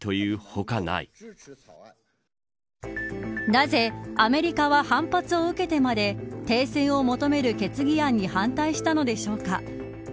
なぜアメリカは反発を受けてまで停戦を求める決議案に反対したのでしょうか。